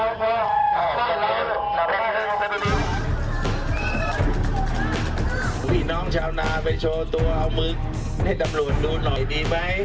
พี่น้องชาวนาไปโชว์ตัวเอามือให้ตำรวจดูหน่อยดีไหม